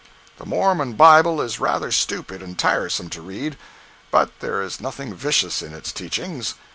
The Mormon Bible is rather stupid and tiresome to read, but there is nothing vicious in its teachings.